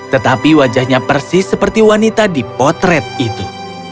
tetapi wajahnya persis seperti wanita di potret itu